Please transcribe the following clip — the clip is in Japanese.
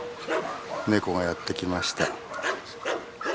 ネコがやって来ました。